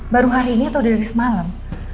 baru hari ini atau dari semalam